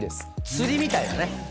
釣りみたいだね。